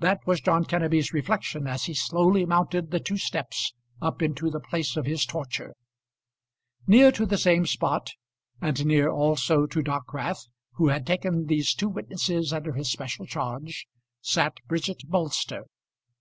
That was John Kenneby's reflection as he slowly mounted the two steps up into the place of his torture. Near to the same spot, and near also to Dockwrath who had taken these two witnesses under his special charge, sat Bridget Bolster.